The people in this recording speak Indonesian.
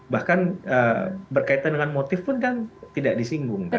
bahkan berkaitan dengan motif pun kan tidak disinggung